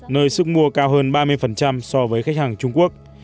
nơi sức mua cao hơn ba mươi so với khách hàng trung quốc